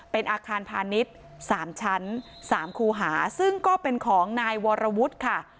เป็นอาคารพาณิชย์๓ชั้น๓คูหาซึ่งก็เป็นของนายวรวุฒิค่ะ